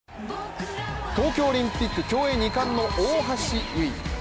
ＪＴ東京オリンピック競泳二冠の大橋悠依。